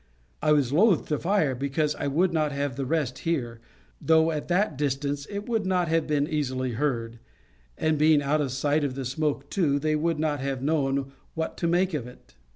I was loath to fire, because I would not have the rest hear; though, at that distance, it would not have been easily heard, and being out of sight of the smoke, too, they would not have known what to make of it.